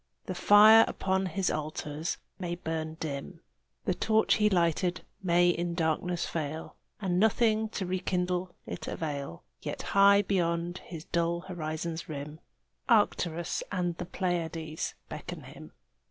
The fire upon his altars may burn dim, The torch he lighted may in darkness fail, And nothing to rekindle it avail, Yet high beyond his dull horizon's rim, Arcturus and the Pleiads beckon him.